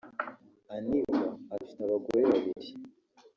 Aniva afite abagore babiri